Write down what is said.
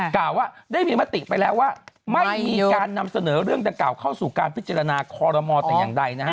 กล่าวว่าได้มีมติไปแล้วว่าไม่มีการนำเสนอเรื่องดังกล่าวเข้าสู่การพิจารณาคอรมอลแต่อย่างใดนะฮะ